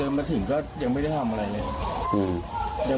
ยังมาเที่ยงไม่ได้ทำอะไรเห็นที่เป็นเรื่อง